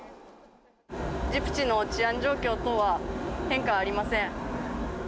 ジブチの治安状況等は、変化ありません。